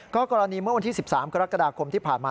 กรณีเมื่อวันที่๑๓กรกฎาคมที่ผ่านมา